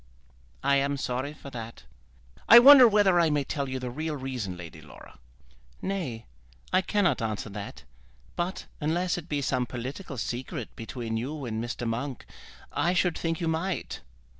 "I am sorry for that." "I wonder whether I may tell you the real reason, Lady Laura." "Nay; I cannot answer that; but unless it be some political secret between you and Mr. Monk, I should think you might."